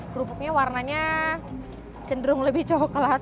kerupuknya warnanya cenderung lebih coklat